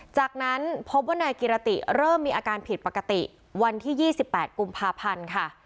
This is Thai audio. จากนั้นพบว่านายกิรติเริ่มมีอาการผิดปกติวันที่๒๘กุมภาพันธ์ค่ะ